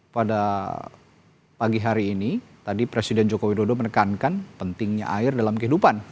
pada pagi hari ini tadi presiden joko widodo menekankan pentingnya air dalam kehidupan